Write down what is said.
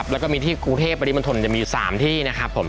แล้วก็มีที่กรุงเทพปริมณฑล